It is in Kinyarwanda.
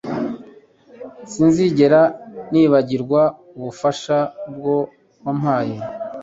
Sinzigera nibagirwa ubufasha bwose wampaye